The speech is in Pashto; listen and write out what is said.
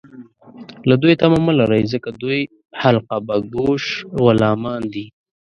له دوی تمه مه لرئ ، ځکه دوی حلقه باګوش غلامان دي